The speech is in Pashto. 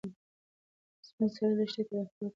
سپین سرې لښتې ته د خپلې کلا د ابادۍ خبر ورکړ.